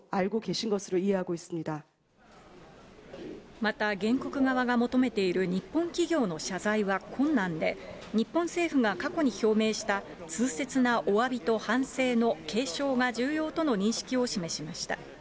また原告側が求めている日本企業の謝罪は困難で、日本政府が過去に表明した痛切なおわびと反省の継承が重要との認識を示しました。